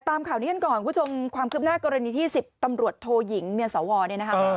ตามข่าวนี้กันก่อนคุณผู้ชมความคืบหน้ากรณีที่๑๐ตำรวจโทยิงเมียสวเนี่ยนะคะ